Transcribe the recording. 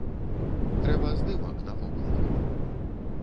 Трэба здымак на вокладку!